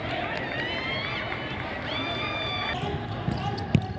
หลับหลับ